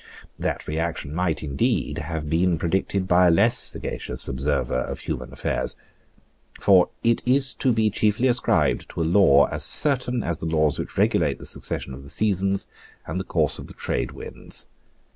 That reaction might, indeed, have been predicted by a less sagacious observer of human affairs. For it is to be chiefly ascribed to a law as certain as the laws which regulate the succession of the seasons and the course of the trade winds.